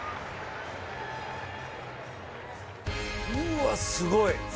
うわ、すごい。